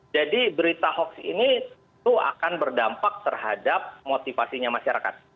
jadi berita hoax ini akan berdampak terhadap motivasinya masyarakat